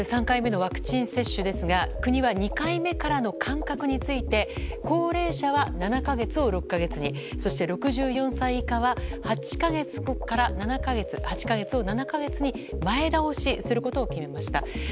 ３回目のワクチン接種ですが国は２回目からの間隔について高齢者は７か月を６か月にそして６４歳以下は８か月を７か月に前倒しすることを決めました。